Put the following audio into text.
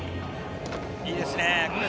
いいですね。